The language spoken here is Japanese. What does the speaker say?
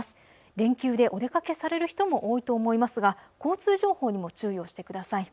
連休でお出かけされる人も多いと思いますが交通情報にも注意をしてください。